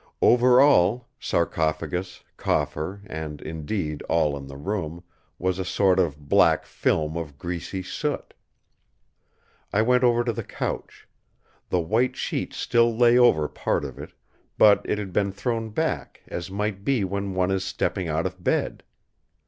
Over all, sarcophagus, coffer and, indeed, all in the room, was a sort of black film of greasy soot. I went over to the couch. The white sheet still lay over part of it; but it had been thrown back, as might be when one is stepping out of bed.